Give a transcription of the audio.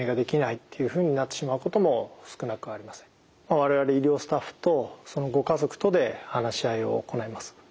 我々医療スタッフとそのご家族とで話し合いを行います。